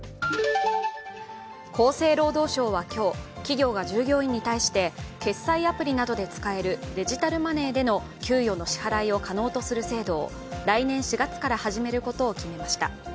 厚生労働省は今日、企業が従業員に対して決済アプリなどで伝えるデジタルマネーでの給与の支払いを可能とする制度を来年４月から始めることを決めました。